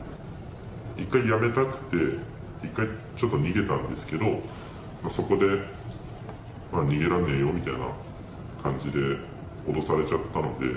１回やめたくて、１回ちょっと逃げたんですけど、そこで、にげらんねえよみたいな感じで脅されちゃったので。